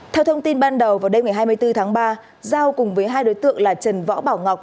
theo thông tin ban đầu vào đêm ngày hai mươi bốn tháng ba giao cùng với hai đối tượng là trần võ bảo ngọc